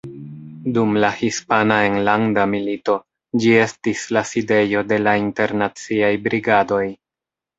Dum la Hispana Enlanda Milito ĝi estis la sidejo de la Internaciaj Brigadoj.